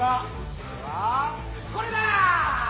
それはこれだ！